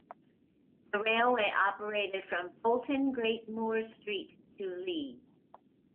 The railway operated from Bolton Great Moor Street to Leigh.